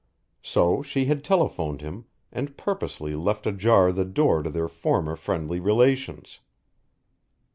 So she had telephoned him and purposely left ajar the door to their former friendly relations.